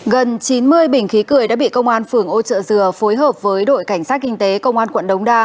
gần chín mươi bình khí cười đã bị công an phường âu trợ dừa phối hợp với đội cảnh sát kinh tế công an quận đống đa